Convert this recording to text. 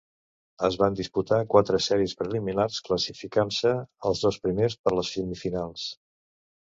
Es van disputar quatre sèries preliminars, classificant-se els dos primers per les semifinals.